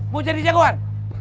mau jadi jagoan